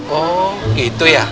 oh gitu ya